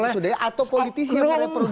atau politis yang produksi